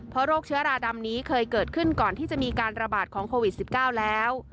เพราะโรคเชื้อราดำนี้เคยเกิดขึ้นก่อนที่จะมีการระบาดของโควิด๑๙แล้ว